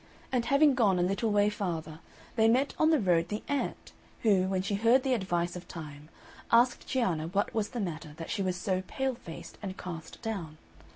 And having gone a little way farther, they met on the road the ant, who, when she heard the advice of Time, asked Cianna what was the matter that she was so pale faced and cast down.